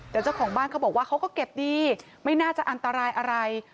แต่เจ้าของบ้านเขาบอกว่าเขาก็เก็บดีไม่น่าจะอันตรายอะไร